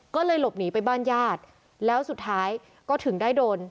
ก็เลยหลบหนีไปบ้านญาติแล้วสุดท้ายก็ถึงได้โดน